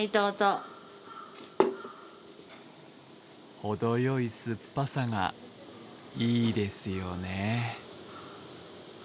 ほどよい酸っぱさがいいですよね。